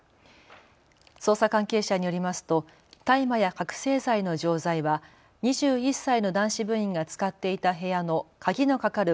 捜査関係者によりますと大麻や覚醒剤の錠剤は２１歳の男子部員が使っていた部屋の鍵の掛かる